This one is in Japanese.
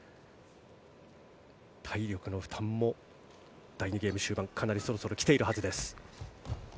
体力の負担も第２ゲーム終盤かなりそろそろ来ているはずです。